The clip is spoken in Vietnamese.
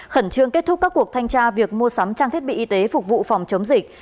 khẩn trương kết thúc các cuộc thanh tra việc mua sắm trang thiết bị y tế phục vụ phòng chống dịch